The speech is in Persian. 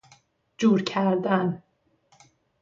جور کردن